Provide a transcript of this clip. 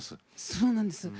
そうなんです。